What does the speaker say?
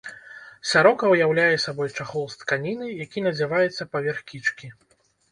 Сарока ўяўляе сабой чахол з тканіны, які надзяваецца паверх кічкі.